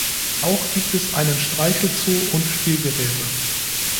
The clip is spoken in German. Auch gibt es einen Streichelzoo und Spielgeräte.